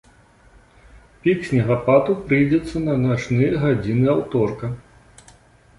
Пік снегападу прыйдзецца на начныя гадзіны аўторка.